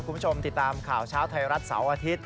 คุณผู้ชมติดตามข่าวเช้าไทยรัฐเสาร์อาทิตย